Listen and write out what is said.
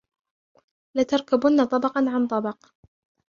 لتركبن طبقا عن طبق